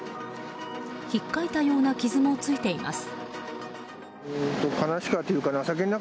ひっかいたような傷もついています。